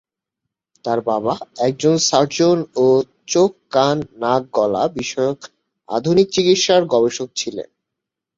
তাঁর বাবা একজন সার্জন ও চোখ-কান-নাক-গলা বিষয়ক আধুনিক চিকিৎসার গবেষক ছিলেন।